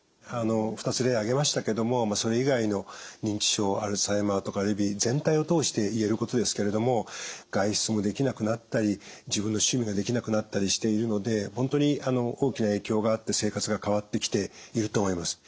２つ例挙げましたけどもそれ以外の認知症アルツハイマーとかレビー全体を通して言えることですけれども外出もできなくなったり自分の趣味ができなくなったりしているので本当に大きな影響があって生活が変わってきていると思います。